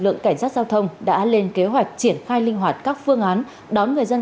lượng cảnh sát giao thông đã lên kế hoạch triển khai linh hoạt các phương án đón người dân